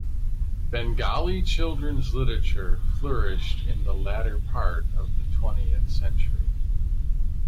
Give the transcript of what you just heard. Bengali children's literature flourished in the later part of the twentieth century.